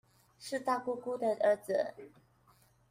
是大姑姑的兒子